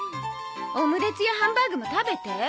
オムレツやハンバーグも食べて。